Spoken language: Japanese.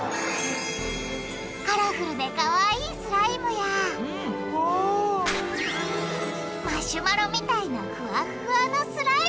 カラフルでかわいいスライムやマシュマロみたいなえっ？